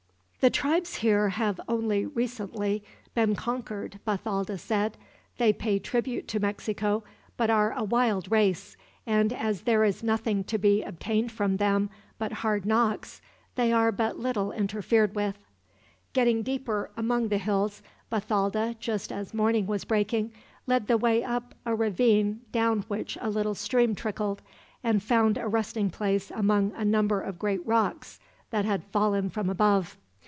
"The tribes here have only recently been conquered," Bathalda said. "They pay tribute to Mexico, but are a wild race; and as there is nothing to be obtained from them but hard knocks, they are but little interfered with." Getting deeper among the hills, Bathalda, just as morning was breaking, led the way up a ravine down which a little stream trickled, and found a resting place among a number of great rocks that had fallen from above.